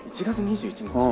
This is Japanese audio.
１月２１日。